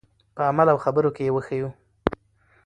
په عمل او خبرو کې یې وښیو.